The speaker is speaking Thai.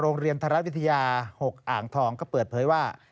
โรงเรียนไทยรัฐวิทยา๖อ่างทองก็เปิดเผยว่า